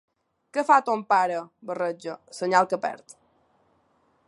Què fa ton pare? —Barreja —Senyal que perd.